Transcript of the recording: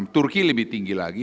turki lebih tinggi lagi